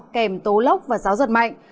kèm tố lốc và gió giật mạnh